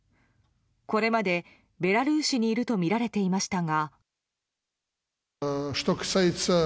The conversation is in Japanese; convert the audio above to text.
これまで、ベラルーシにいるとみられていましたが。